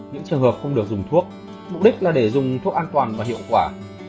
những trường hợp không được dùng thuốc mục đích là để dùng thuốc an toàn và hiệu quả